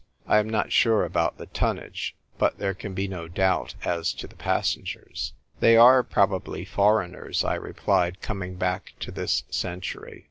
I am not sure about the tonnage, but there can be no doubt as to the passengers. " They are probably foreigners," I replied, coming back to this century.